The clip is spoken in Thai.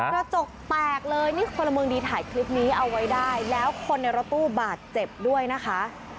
กระจกแตกเลยนี่พลเมืองดีถ่ายคลิปนี้เอาไว้ได้แล้วคนในรถตู้บาดเจ็บด้วยนะคะ